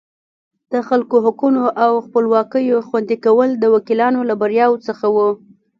د خلکو حقوقو او خپلواکیو خوندي کول د وکیلانو له بریاوو څخه وو.